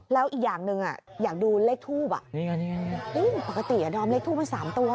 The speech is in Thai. แล้วอีกอย่างหนึ่งอยากดูเลขทูบปกติดอมเลขทูปมัน๓ตัว